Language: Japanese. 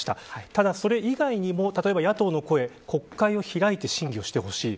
ただ、それ以外にも例えば、野党の声国会を開いて審議をしてほしい。